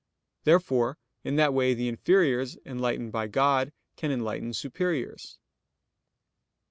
Therefore in that way the inferiors enlightened by God can enlighten superiors.